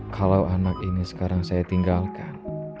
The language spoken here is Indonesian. kalau anak ini sekarang saya tinggalkan